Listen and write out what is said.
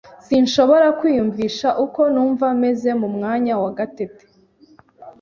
Sinshobora kwiyumvisha uko numva meze mu mwanya wa Gatete.